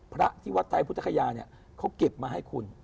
พระที่วัดไทยพุทธคยาเนี่ยเขาเก็บมาให้คุณ